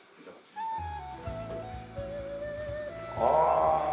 ああ。